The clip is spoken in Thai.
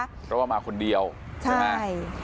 เพราะว่ามาคนเดียวใช่ไหม